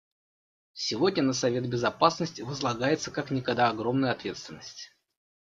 Сегодня на Совет Безопасности возлагается как никогда огромная ответственность.